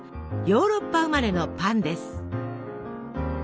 ヨーロッパ生まれのパンです。